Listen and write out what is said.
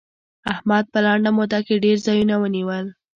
احمد په لنډه موده کې ډېر ځايونه ونيول.